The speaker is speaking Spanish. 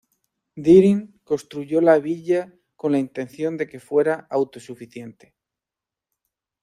Deering construyó la Villa con la intención de que fuera autosuficiente.